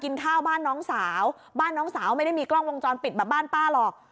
ข้าวบ้านน้องสาวบ้านน้องสาวไม่ได้มีกล้องวงจรปิดแบบบ้านป้าหรอก